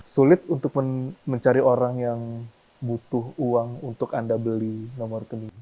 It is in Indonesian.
sulit untuk mencari orang yang butuh uang untuk anda beli nomor rekening